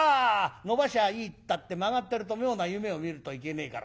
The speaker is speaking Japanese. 伸ばしゃいいったって曲がってると妙な夢を見るといけねえから。